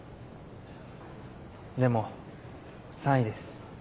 でも３位です。